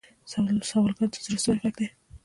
سوالګر د زړه سوې غږ دی